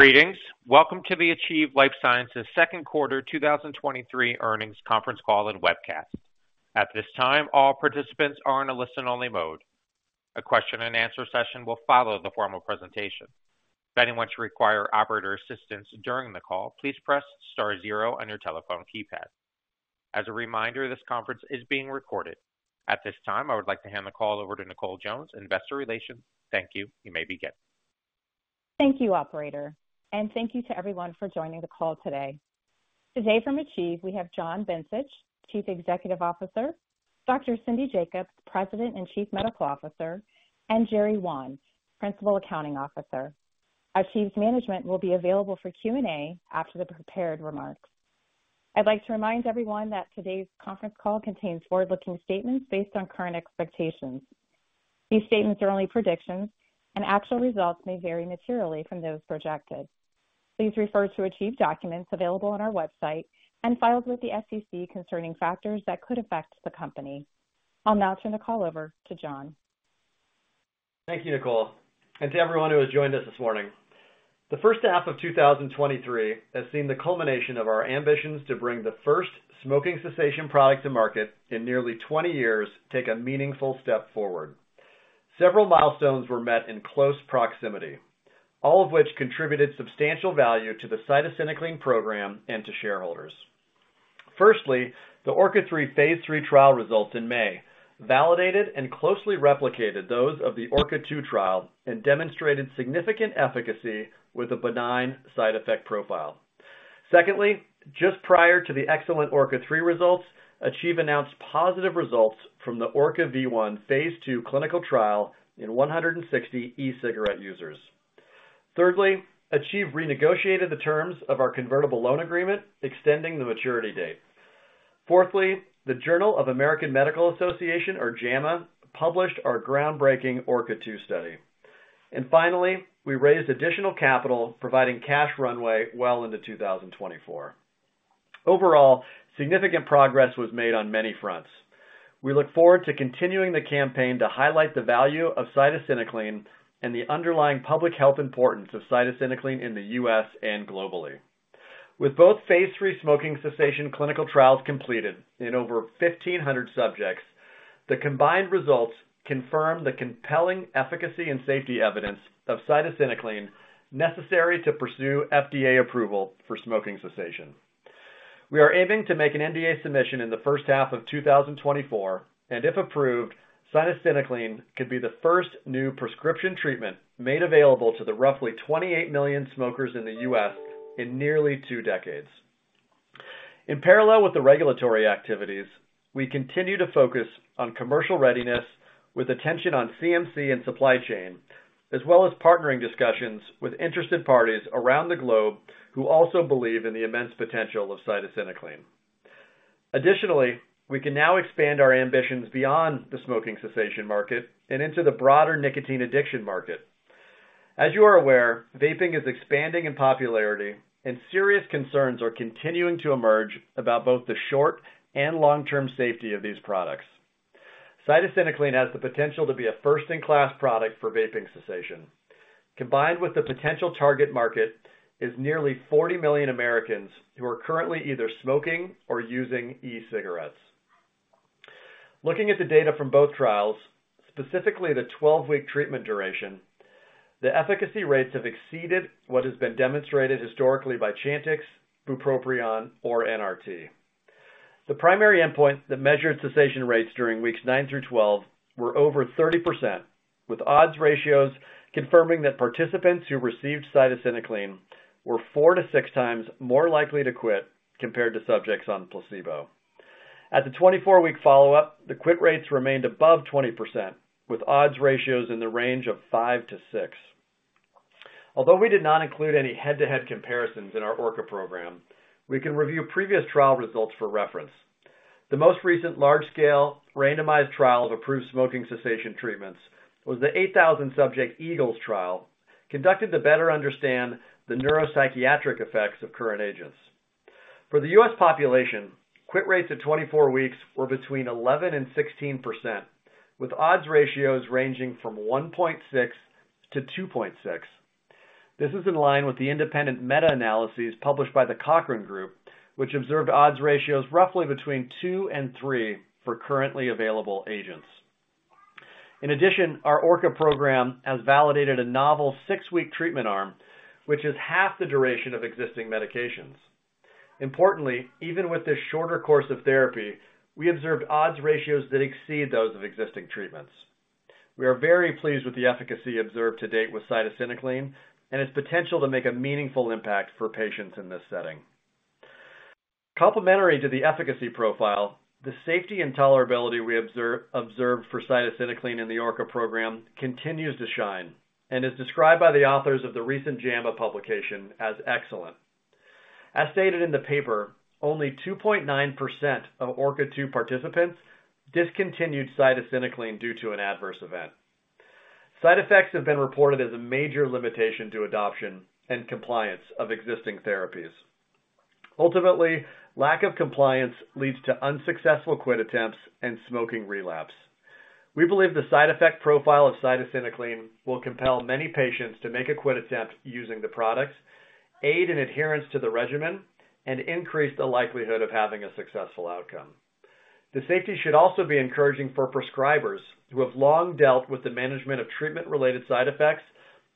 Greetings. Welcome to the Achieve Life Sciences second quarter 2023 earnings conference call and webcast. At this time, all participants are in a listen-only mode. A question and answer session will follow the formal presentation. If anyone should require operator assistance during the call, please press star zero on your telephone keypad. As a reminder, this conference is being recorded. At this time, I would like to hand the call over to Nicole Jones, Investor Relations. Thank you. You may begin. Thank you, Operator, thank you to everyone for joining the call today. Today from Achieve, we have John Bencich, Chief Executive Officer, Dr. Cindy Jacobs, President and Chief Medical Officer, and Jerry Wan, Principal Accounting Officer. Achieve's management will be available for Q&A after the prepared remarks. I'd like to remind everyone that today's conference call contains forward-looking statements based on current expectations. These statements are only predictions, actual results may vary materially from those projected. Please refer to Achieve documents available on our website and filed with the SEC concerning factors that could affect the company. I'll now turn the call over to John. Thank you, Nicole, and to everyone who has joined us this morning. The first half of 2023 has seen the culmination of our ambitions to bring the first smoking cessation product to market in nearly 20 years take a meaningful step forward. Several milestones were met in close proximity, all of which contributed substantial value to the cytisinicline program and to shareholders. Firstly, the ORCA-3 phase III trial results in May validated and closely replicated those of the ORCA-2 trial and demonstrated significant efficacy with a benign side effect profile. Secondly, just prior to the excellent ORCA-3 results, Achieve announced positive results from the ORCA-V1 phase II clinical trial in 160 e-cigarette users. Thirdly, Achieve renegotiated the terms of our convertible loan agreement, extending the maturity date. Fourthly, the Journal of the American Medical Association, or JAMA, published our groundbreaking ORCA-2 study. Finally, we raised additional capital, providing cash runway well into 2024. Overall, significant progress was made on many fronts. We look forward to continuing the campaign to highlight the value of cytisinicline and the underlying public health importance of cytisinicline in the U.S. and globally. With both phase III smoking cessation clinical trials completed in over 1,500 subjects, the combined results confirm the compelling efficacy and safety evidence of cytisinicline necessary to pursue FDA approval for smoking cessation. We are aiming to make an NDA submission in the first half of 2024, and if approved, cytisinicline could be the first new prescription treatment made available to the roughly 28 million smokers in the U.S. in nearly two decades. In parallel with the regulatory activities, we continue to focus on commercial readiness with attention on CMC and supply chain, as well as partnering discussions with interested parties around the globe who also believe in the immense potential of cytisinicline. We can now expand our ambitions beyond the smoking cessation market and into the broader nicotine addiction market. As you are aware, vaping is expanding in popularity and serious concerns are continuing to emerge about both the short and long-term safety of these products. Cytisinicline has the potential to be a first-in-class product for vaping cessation. Combined with the potential target market is nearly 40 million Americans who are currently either smoking or using e-cigarettes. Looking at the data from both trials, specifically the 12-week treatment duration, the efficacy rates have exceeded what has been demonstrated historically by Chantix, bupropion, or NRT. The primary endpoint that measured cessation rates during weeks nine to 12 were over 30%, with odds ratios confirming that participants who received cytisinicline were 4x-6x more likely to quit compared to subjects on placebo. At the 24-week follow-up, the quit rates remained above 20%, with odds ratios in the range of 5-6. Although we did not include any head-to-head comparisons in our ORCA program, we can review previous trial results for reference. The most recent large-scale randomized trial of approved smoking cessation treatments was the 8,000-subject EAGLES trial, conducted to better understand the neuropsychiatric effects of current agents. For the U.S. population, quit rates at 24 weeks were between 11% and 16%, with odds ratios ranging from 1.6-2.6. This is in line with the independent meta-analyses published by the Cochrane, which observed odds ratios roughly between 2 and 3 for currently available agents. In addition, our ORCA program has validated a novel six-week treatment arm, which is half the duration of existing medications. Importantly, even with this shorter course of therapy, we observed odds ratios that exceed those of existing treatments. We are very pleased with the efficacy observed to date with cytisinicline and its potential to make a meaningful impact for patients in this setting. Complementary to the efficacy profile, the safety and tolerability we observed for cytisinicline in the ORCA program continues to shine and is described by the authors of the recent JAMA publication as excellent. As stated in the paper, only 2.9% of ORCA-2 participants discontinued cytisinicline due to an adverse event. Side effects have been reported as a major limitation to adoption and compliance of existing therapies. Ultimately, lack of compliance leads to unsuccessful quit attempts and smoking relapse. We believe the side effect profile of cytisinicline will compel many patients to make a quit attempt using the product, aid in adherence to the regimen, and increase the likelihood of having a successful outcome. The safety should also be encouraging for prescribers who have long dealt with the management of treatment-related side effects,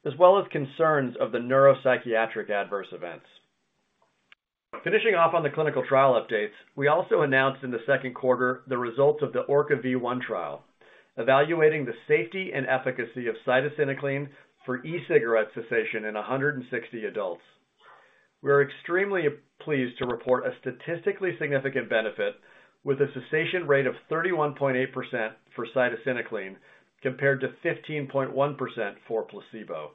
as well as concerns of the neuropsychiatric adverse events. Finishing off on the clinical trial updates, we also announced in the second quarter the results of the ORCA-V1 trial, evaluating the safety and efficacy of cytisinicline for e-cigarette cessation in 160 adults. We are extremely pleased to report a statistically significant benefit with a cessation rate of 31.8% for cytisinicline, compared to 15.1% for placebo.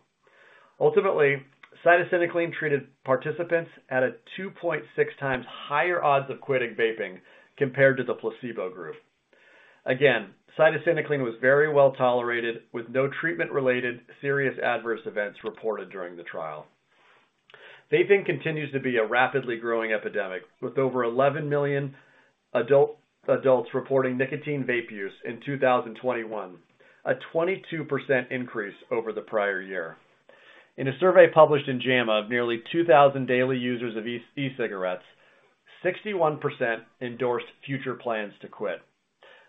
Ultimately, cytisinicline treated participants at a 2.6x higher odds of quitting vaping compared to the placebo group. Again, cytisinicline was very well tolerated, with no treatment-related serious adverse events reported during the trial. Vaping continues to be a rapidly growing epidemic, with over 11 million adults reporting nicotine vape use in 2021, a 22% increase over the prior year. In a survey published in JAMA, nearly 2,000 daily users of e-cigarettes, 61% endorsed future plans to quit.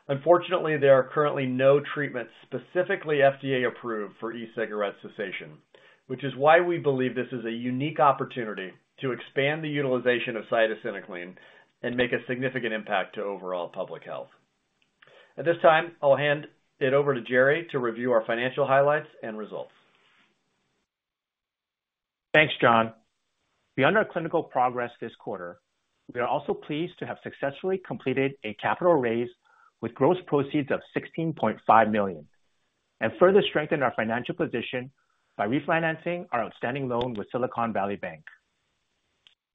Unfortunately, there are currently no treatments specifically FDA approved for e-cigarette cessation, which is why we believe this is a unique opportunity to expand the utilization of cytisinicline and make a significant impact to overall public health. At this time, I'll hand it over to Jerry to review our financial highlights and results. Thanks, John. Beyond our clinical progress this quarter, we are also pleased to have successfully completed a capital raise with gross proceeds of $16.5 million, and further strengthened our financial position by refinancing our outstanding loan with Silicon Valley Bank.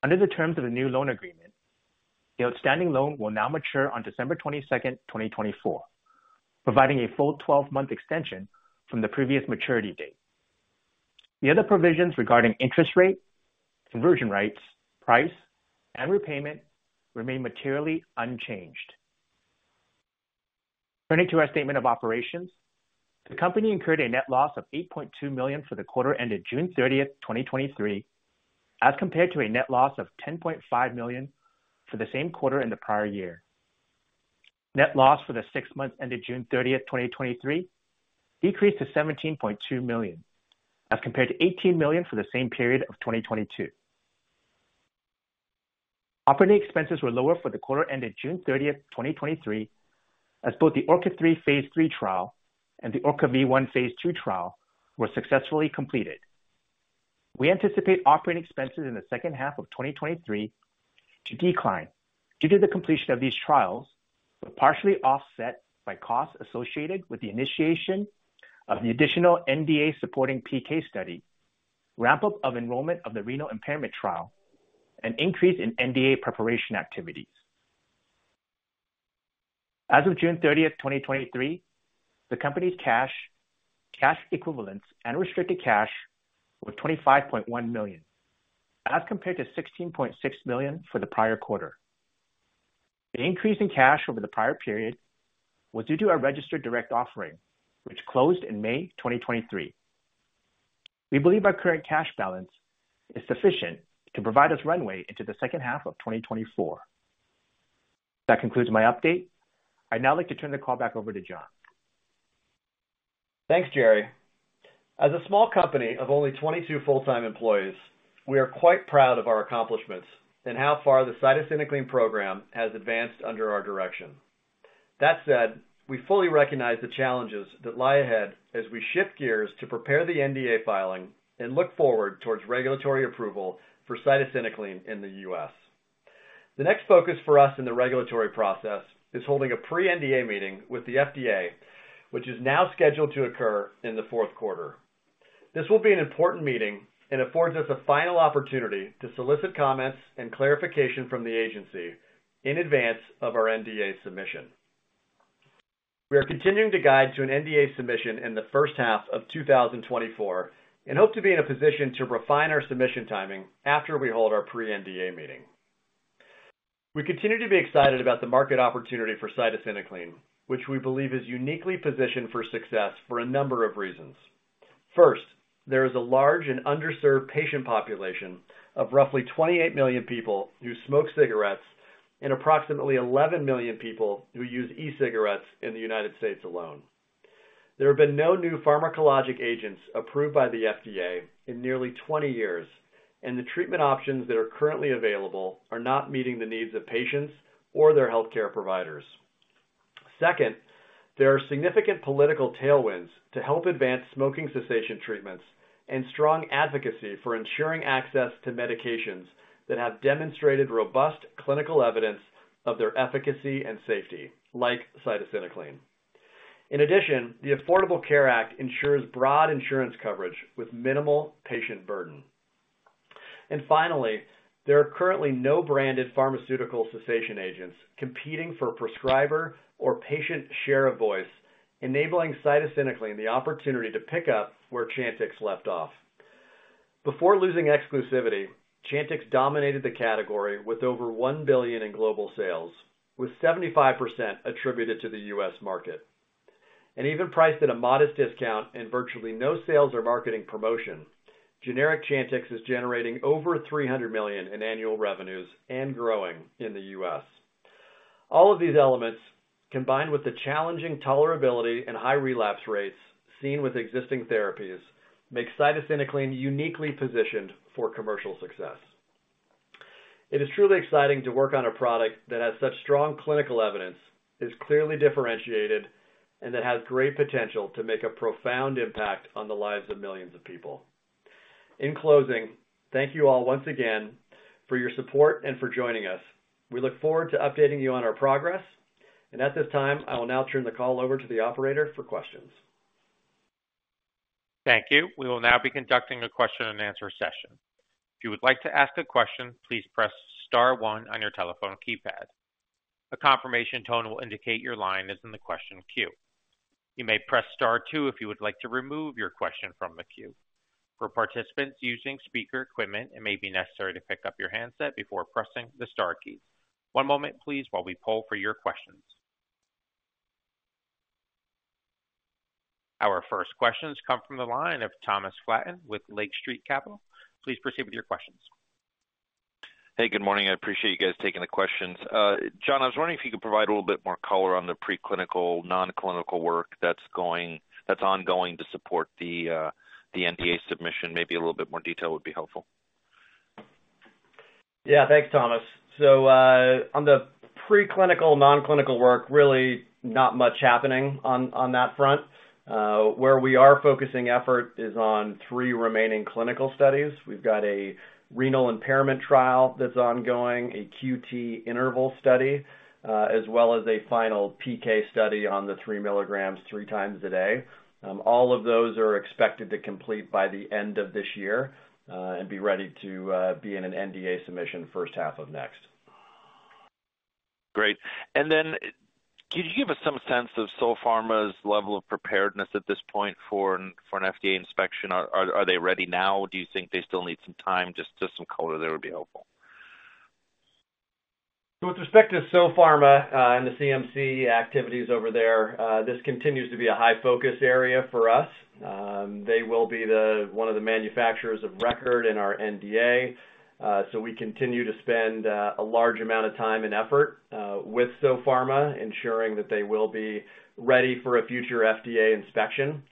Under the terms of the new loan agreement, the outstanding loan will now mature on December 22nd, 2024, providing a full 12-month extension from the previous maturity date. The other provisions regarding interest rate, conversion rights, price, and repayment remain materially unchanged. Turning to our statement of operations, the company incurred a net loss of $8.2 million for the quarter ended June 30th, 2023, as compared to a net loss of $10.5 million for the same quarter in the prior year. Net loss for the six months ended June 30, 2023, decreased to $17.2 million, as compared to $18 million for the same period of 2022. Operating expenses were lower for the quarter ended June 30, 2023, as both the ORCA-3 phase III trial and the ORCA-V1 phase II trial were successfully completed. We anticipate operating expenses in the second half of 2023 to decline due to the completion of these trials, but partially offset by costs associated with the initiation of the additional NDA supporting PK study, ramp-up of enrollment of the renal impairment trial, and increase in NDA preparation activities. As of June 30, 2023, the company's cash, cash equivalents, and restricted cash were $25.1 million, as compared to $16.6 million for the prior quarter. The increase in cash over the prior period was due to our registered direct offering, which closed in May 2023. We believe our current cash balance is sufficient to provide us runway into the second half of 2024. That concludes my update. I'd now like to turn the call back over to John. Thanks, Jerry. As a small company of only 22 full-time employees, we are quite proud of our accomplishments and how far the cytisinicline program has advanced under our direction. That said, we fully recognize the challenges that lie ahead as we shift gears to prepare the NDA filing and look forward towards regulatory approval for cytisinicline in the U.S. The next focus for us in the regulatory process is holding a pre-NDA meeting with the FDA, which is now scheduled to occur in the fourth quarter. This will be an important meeting and affords us a final opportunity to solicit comments and clarification from the agency in advance of our NDA submission. We are continuing to guide to an NDA submission in the first half of 2024, and hope to be in a position to refine our submission timing after we hold our pre-NDA meeting. We continue to be excited about the market opportunity for cytisinicline, which we believe is uniquely positioned for success for a number of reasons. First, there is a large and underserved patient population of roughly 28 million people who smoke cigarettes and approximately 11 million people who use e-cigarettes in the United States alone. There have been no new pharmacologic agents approved by the FDA in nearly 20 years. The treatment options that are currently available are not meeting the needs of patients or their healthcare providers. Second, there are significant political tailwinds to help advance smoking cessation treatments and strong advocacy for ensuring access to medications that have demonstrated robust clinical evidence of their efficacy and safety, like cytisinicline. In addition, the Affordable Care Act ensures broad insurance coverage with minimal patient burden. Finally, there are currently no branded pharmaceutical cessation agents competing for prescriber or patient share of voice, enabling cytisinicline the opportunity to pick up where Chantix left off. Before losing exclusivity, Chantix dominated the category with over $1 billion in global sales, with 75% attributed to the U.S. market. Even priced at a modest discount and virtually no sales or marketing promotion, generic Chantix is generating over $300 million in annual revenues and growing in the U.S. All of these elements, combined with the challenging tolerability and high relapse rates seen with existing therapies, make cytisinicline uniquely positioned for commercial success. It is truly exciting to work on a product that has such strong clinical evidence, is clearly differentiated, and that has great potential to make a profound impact on the lives of millions of people. In closing, thank you all once again for your support and for joining us. We look forward to updating you on our progress. At this time, I will now turn the call over to the operator for questions. Thank you. We will now be conducting a question and answer session. If you would like to ask a question, please press star one on your telephone keypad. A confirmation tone will indicate your line is in the question queue. You may press star two if you would like to remove your question from the queue. For participants using speaker equipment, it may be necessary to pick up your handset before pressing the star key. One moment, please, while we poll for your questions. Our first questions come from the line of Thomas Flaten with Lake Street Capital. Please proceed with your questions. Hey, good morning. I appreciate you guys taking the questions. John, I was wondering if you could provide a little bit more color on the preclinical, non-clinical work that's ongoing to support the NDA submission? Maybe a little bit more detail would be helpful. Yeah, thanks, Thomas. On the preclinical, non-clinical work, really not much happening on that front. Where we are focusing effort is on three remaining clinical studies. We've got a renal impairment trial that's ongoing, a QT interval study, as well as a final PK study on the three milligrams, three times a day. All of those are expected to complete by the end of this year and be ready to be in an NDA submission first half of next. Great. Then could you give us some sense of Sopharma's level of preparedness at this point for an FDA inspection? Are they ready now, or do you think they still need some time? Just some color there would be helpful. With respect to Sopharma, and the CMC activities over there, this continues to be a high focus area for us. They will be the, one of the manufacturers of record in our NDA. We continue to spend a large amount of time and effort with Sopharma, ensuring that they will be ready for a future FDA inspection.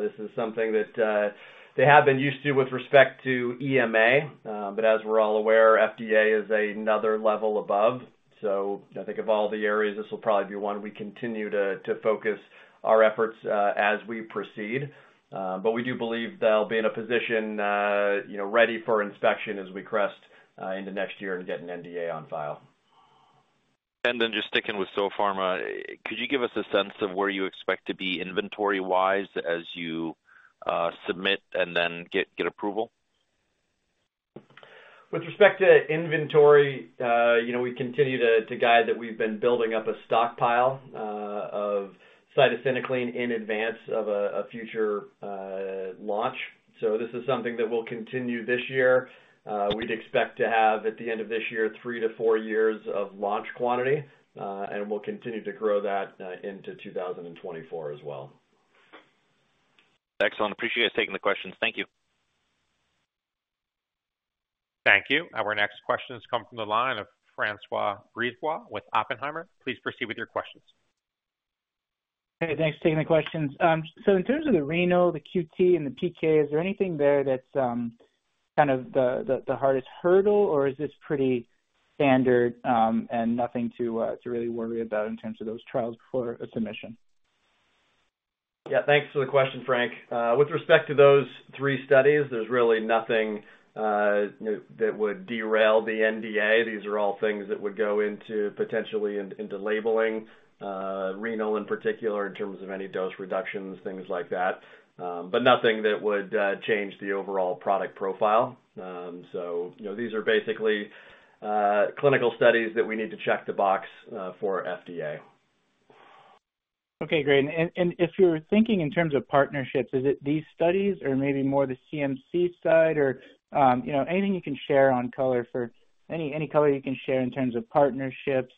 This is something that they have been used to with respect to EMA, as we're all aware, FDA is another level above. I think of all the areas, this will probably be one we continue to, to focus our efforts as we proceed. We do believe they'll be in a position, you know, ready for inspection as we crest into next year and get an NDA on file. Just sticking with Sopharma, could you give us a sense of where you expect to be inventory-wise as you submit and then get, get approval? With respect to inventory, you know, we continue to, to guide that we've been building up a stockpile of cytisinicline in advance of a future launch. This is something that will continue this year. We'd expect to have, at the end of this year, three to four years of launch quantity, and we'll continue to grow that into 2024 as well. Excellent. Appreciate you guys taking the questions. Thank you. Thank you. Our next question has come from the line of Francois Brisebois with Oppenheimer. Please proceed with your questions. Hey, thanks for taking the questions. In terms of the renal, the QT, and the PK, is there anything there that's, kind of the, the hardest hurdle, or is this pretty standard, and nothing to, to really worry about in terms of those trials before an NDA submission? Yeah, thanks for the question, Frank. With respect to those three studies, there's really nothing, you know, that would derail the NDA. These are all things that would go into, potentially into labeling, renal in particular, in terms of any dose reductions, things like that. Nothing that would change the overall product profile. You know, these are basically clinical studies that we need to check the box for FDA. Okay, great. And if you're thinking in terms of partnerships, is it these studies or maybe more the CMC side or, you know, Any, any color you can share in terms of partnerships,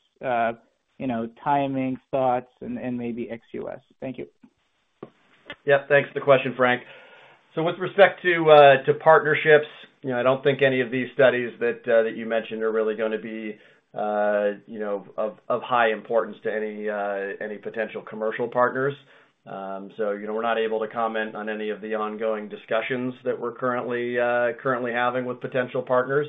you know, timing, thoughts, and, and maybe ex U.S.? Thank you. Yeah, thanks for the question, Frank. With respect to partnerships, you know, I don't think any of these studies that you mentioned are really gonna be, you know, of high importance to any potential commercial partners. You know, we're not able to comment on any of the ongoing discussions that we're currently having with potential partners.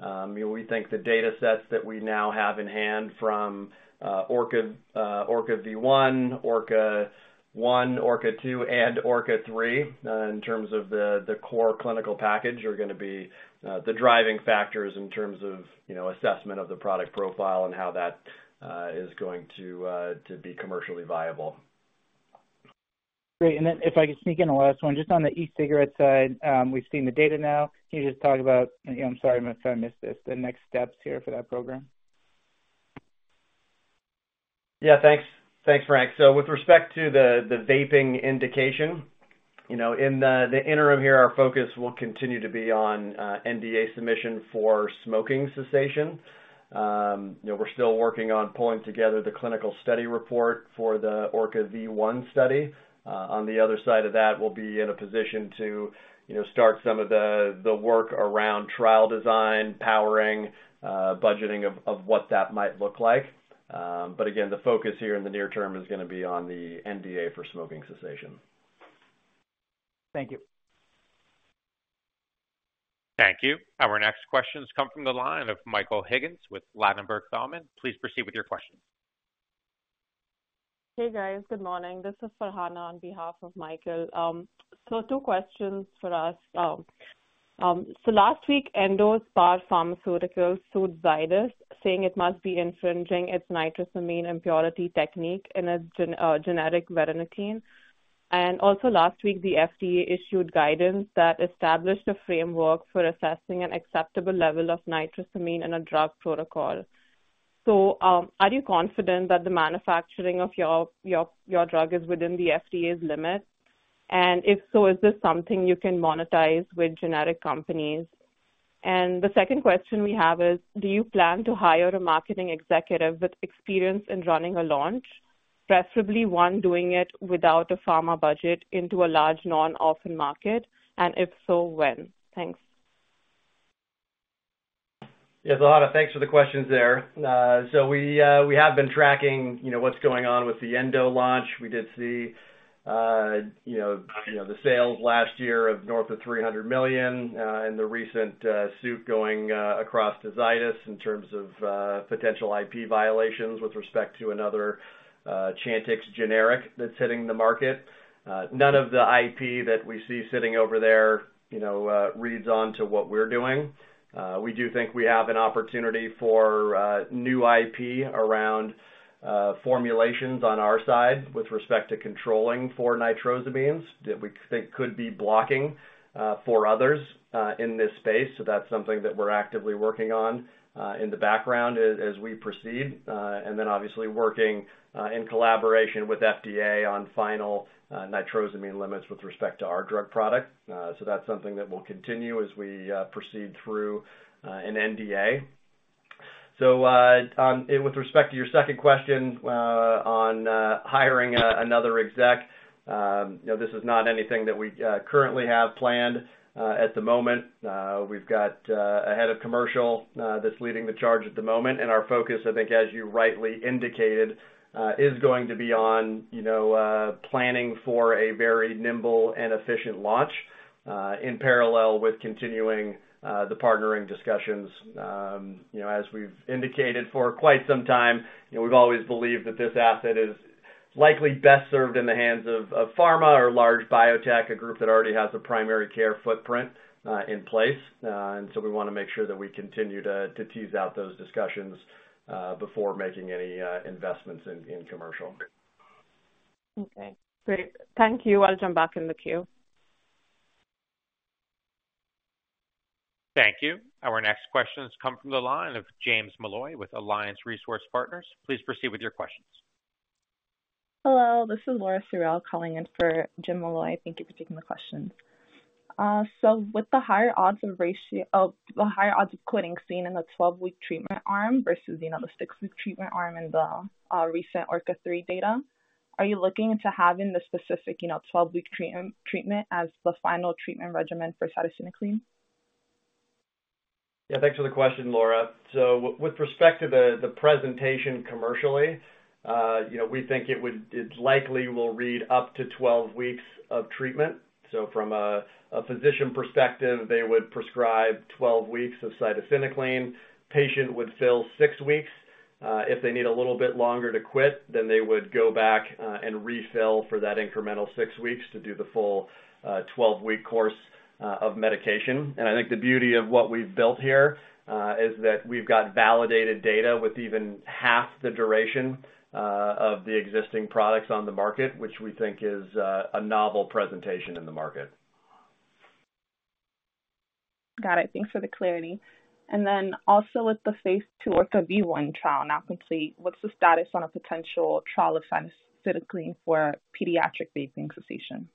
You know, we think the datasets that we now have in hand from ORCA, ORCA-V1, ORCA-1, ORCA-2, and ORCA-3, in terms of the core clinical package, are gonna be the driving factors in terms of, you know, assessment of the product profile and how that is going to be commercially viable. Great. Then if I could sneak in a last one, just on the e-cigarette side, we've seen the data now. Can you just talk about, you know, I'm sorry if I missed this, the next steps here for that program? Yeah, thanks. Thanks, Frank. With respect to the, the vaping indication, you know, in the, the interim here, our focus will continue to be on NDA submission for smoking cessation. You know, we're still working on pulling together the clinical study report for the ORCA-V1 study. On the other side of that, we'll be in a position to, you know, start some of the, the work around trial design, powering, budgeting of, of what that might look like. But again, the focus here in the near term is gonna be on the NDA for smoking cessation. Thank you. Thank you. Our next questions come from the line of Michael Higgins with Ladenburg Thalmann. Please proceed with your question. Hey, guys. Good morning. This is Farhana on behalf of Michael. Two questions for us. Last week, Endo Pharmaceuticals sued Zydus, saying it must be infringing its nitrosamine impurity technique in a generic varenicline. Also last week, the FDA issued guidance that established a framework for assessing an acceptable level of nitrosamine in a drug protocol. Are you confident that the manufacturing of your, your, your drug is within the FDA's limits? If so, is this something you can monetize with generic companies? The second question we have is, do you plan to hire a marketing executive with experience in running a launch, preferably one doing it without a pharma budget into a large non-orphan market, if so, when? Thanks. Yeah, Farhana, thanks for the questions there. We have been tracking, you know, what's going on with the Endo launch. We did see, you know, you know, the sales last year of north of $300 million and the recent suit going across the Zydus in terms of potential IP violations with respect to another Chantix generic that's hitting the market. None of the IP that we see sitting over there, you know, reads onto what we're doing. We do think we have an opportunity for new IP around formulations on our side with respect to controlling for nitrosamines, that we think could be blocking for others in this space. That's something that we're actively working on in the background as, as we proceed. Then obviously working in collaboration with FDA on final nitrosamine limits with respect to our drug product. That's something that will continue as we proceed through an NDA. With respect to your second question on hiring another exec, you know, this is not anything that we currently have planned at the moment. We've got a head of commercial that's leading the charge at the moment, and our focus, I think, as you rightly indicated, is going to be on, you know, planning for a very nimble and efficient launch in parallel with continuing the partnering discussions. You know, as we've indicated for quite some time, you know, we've always believed that this asset is likely best served in the hands of, of pharma or large biotech, a group that already has a primary care footprint in place. So we wanna make sure that we continue to, to tease out those discussions before making any investments in, in commercial. Okay, great. Thank you. I'll jump back in the queue. Thank you. Our next questions come from the line of Jim Molloy with Alliance Global Partners. Please proceed with your questions. Hello, this is Laura Suriel calling in for Jim Malloy. Thank you for taking the questions. With the higher odds of the higher odds of quitting seen in the 12-week treatment arm versus, you know, the six-week treatment arm in the recent ORCA-3 data, are you looking to having the specific, you know, 12-week treatment as the final treatment regimen for cytisinicline? Yeah, thanks for the question, Laura. With respect to the, the presentation commercially, you know, we think it likely will read up to 12 weeks of treatment. From a, a physician perspective, they would prescribe 12 weeks of cytisinicline. Patient would fill six weeks. If they need a little bit longer to quit, then they would go back and refill for that incremental six weeks to do the full 12-week course of medication. I think the beauty of what we've built here is that we've got validated data with even half the duration of the existing products on the market, which we think is a novel presentation in the market. Got it. Thanks for the clarity. Also with the phase II ORCA-V1 trial, now complete, what's the status on a potential trial of cytisinicline for pediatric vaping cessation?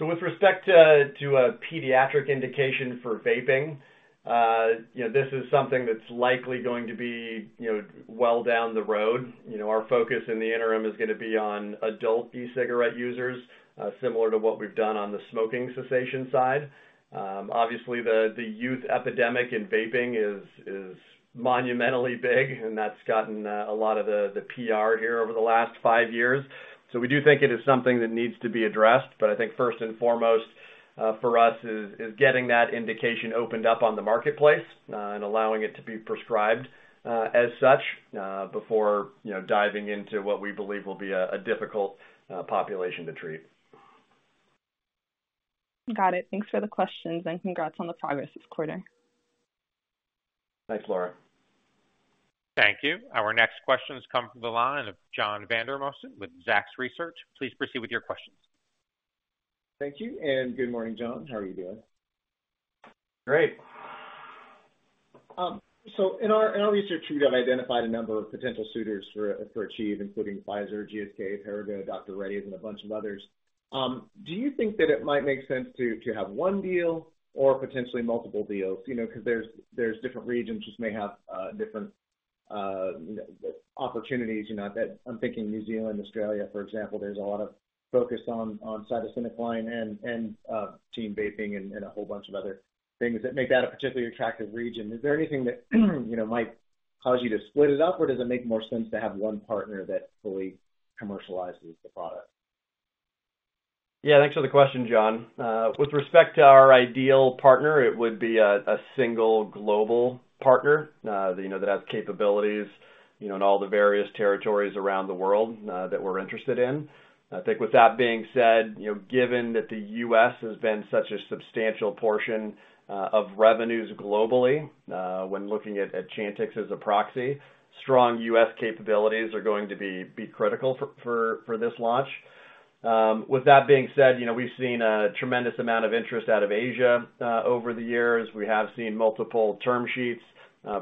With respect to, to a pediatric indication for vaping, you know, this is something that's likely going to be, you know, well down the road. You know, our focus in the interim is gonna be on adult e-cigarette users, similar to what we've done on the smoking cessation side. Obviously, the, the youth epidemic in vaping is, is monumentally big, and that's gotten a lot of the, the PR here over the last five years. We do think it is something that needs to be addressed, but I think first and foremost, for us is, is getting that indication opened up on the marketplace, and allowing it to be prescribed as such, before, you know, diving into what we believe will be a difficult population to treat. Got it. Thanks for the questions, and congrats on the progress this quarter. Thanks, Laura. Thank you. Our next question has come from the line of John Vandermosten with Zacks Research. Please proceed with your questions. Thank you, and good morning, John. How are you doing? Great. So in our, in our research, we have identified a number of potential suitors for, for Achieve, including Pfizer, GSK, Perrigo, Dr. Reddy's, and a bunch of others. Do you think that it might make sense to, to have one deal or potentially multiple deals? You know, 'cause there's, there's different regions, just may have, different, you know, opportunities. You know, that I'm thinking New Zealand, Australia, for example, there's a lot of focus on, on cytisinicline and, and, teen vaping and, and a whole bunch of other things that make that a particularly attractive region. Is there anything that, you know, might cause you to split it up, or does it make more sense to have one partner that fully commercializes the product? Yeah, thanks for the question, John. With respect to our ideal partner, it would be a single global partner, you know, that has capabilities, you know, in all the various territories around the world that we're interested in. I think with that being said, you know, given that the U.S. has been such a substantial portion of revenues globally, when looking at Chantix as a proxy, strong U.S. capabilities are going to be critical for this launch. With that being said, you know, we've seen a tremendous amount of interest out of Asia over the years. We have seen multiple term sheets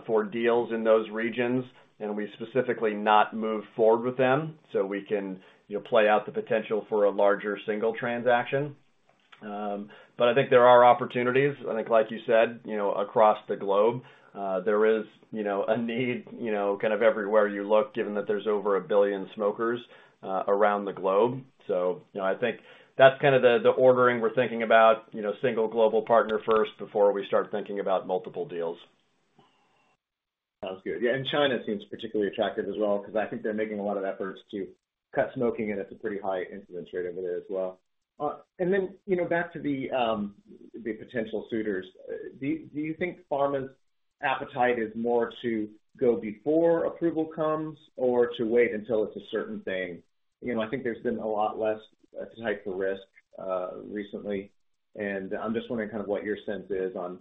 for deals in those regions, and we specifically not moved forward with them, so we can, you know, play out the potential for a larger single transaction. But I think there are opportunities. I think, like you said, you know, across the globe, there is, you know, a need, you know, kind of everywhere you look, given that there's over 1 billion smokers, around the globe. I think that's kind of the, the ordering we're thinking about, you know, single global partner first before we start thinking about multiple deals. Sounds good. China seems particularly attractive as well, because I think they're making a lot of efforts to cut smoking, and it's a pretty high incidence rate over there as well. Then, you know, back to the potential suitors. Do you think pharma's appetite is more to go before approval comes or to wait until it's a certain thing? You know, I think there's been a lot less appetite for risk recently, and I'm just wondering kind of what your sense is on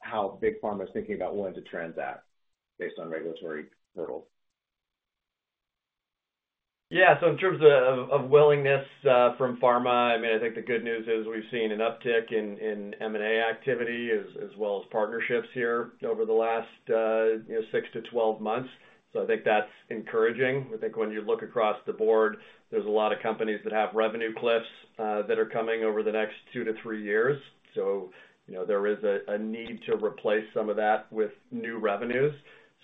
how big pharma is thinking about wanting to transact based on regulatory hurdles. Yeah, in terms of willingness, from pharma, I mean, I think the good news is we've seen an uptick in M&A activity as well as partnerships here over the last, you know, six to 12 months. I think that's encouraging. I think when you look across the board, there's a lot of companies that have revenue cliffs, that are coming over the next two to three years. You know, there is a need to replace some of that with new revenues.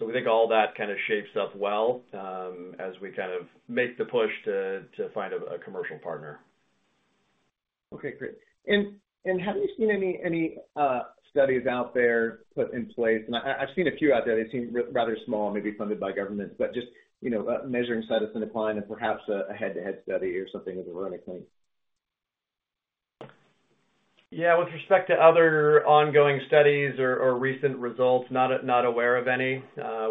We think all that kind of shapes up well, as we kind of make the push to find a commercial partner. Okay, great. Have you seen any, any studies out there put in place? I, I've seen a few out there. They seem rather small, maybe funded by government, but just, you know, measuring cytisinicline and perhaps a, a head-to-head study or something of that nature? Yeah, with respect to other ongoing studies or, or recent results, not not aware of any.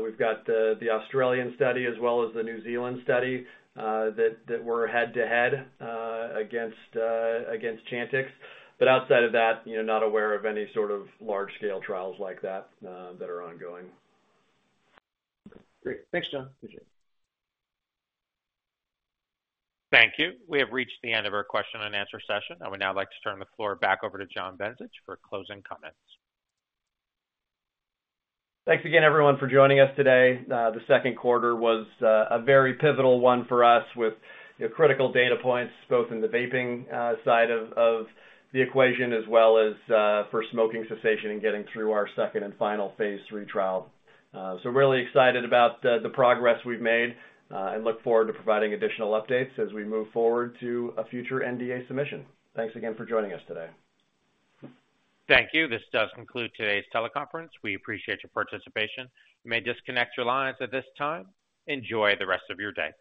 We've got the, the Australian study as well as the New Zealand study, that, that were head-to-head, against, against Chantix. Outside of that, you know, not aware of any sort of large-scale trials like that, that are ongoing. Great. Thanks, John. Appreciate it. Thank you. We have reached the end of our question and answer session. I would now like to turn the floor back over to John Bencich for closing comments. Thanks again, everyone, for joining us today. The second quarter was a very pivotal one for us with, you know, critical data points, both in the vaping side of the equation, as well as for smoking cessation and getting through our second and final phase III trial. Really excited about the progress we've made and look forward to providing additional updates as we move forward to a future NDA submission. Thanks again for joining us today. Thank you. This does conclude today's teleconference. We appreciate your participation. You may disconnect your lines at this time. Enjoy the rest of your day.